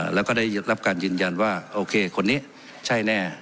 แล้วก็ได้รับการยืนยันว่าโอเคคนนี้ใช่แน่